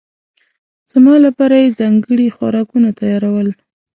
زما لپاره یې ځانګړي خوراکونه تيارول.